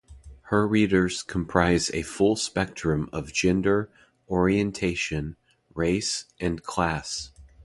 Her readers comprise a full spectrum of gender, orientation, race and class.